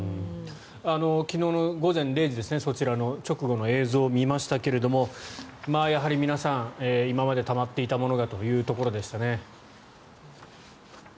昨日の午前０時、そちらの直後の映像を見ましたがやはり皆さん今までたまっていたものがというところでしたね。